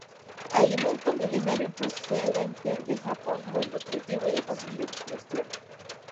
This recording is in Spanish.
Alimento milenario procedente de Japón, muy nutritivo y de fácil digestión.